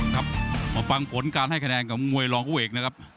ครับมาฟังผลการให้คะแนนของมวยรองผู้เอกนะครับ